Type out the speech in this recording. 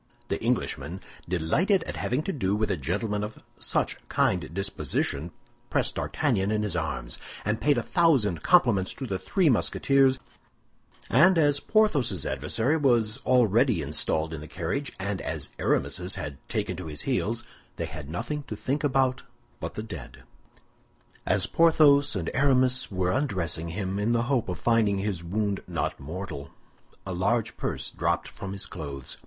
The Englishman, delighted at having to do with a gentleman of such a kind disposition, pressed D'Artagnan in his arms, and paid a thousand compliments to the three Musketeers, and as Porthos's adversary was already installed in the carriage, and as Aramis's had taken to his heels, they had nothing to think about but the dead. As Porthos and Aramis were undressing him, in the hope of finding his wound not mortal, a large purse dropped from his clothes.